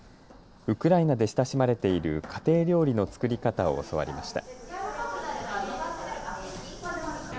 ウクライナで親しまれている家庭料理の作り方を教わりました。